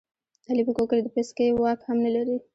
علي په کور کې د پسکې واک هم نه لري.